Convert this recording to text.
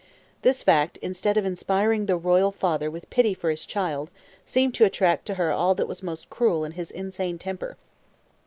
This fact, instead of inspiring the royal father with pity for his child, seemed to attract to her all that was most cruel in his insane temper.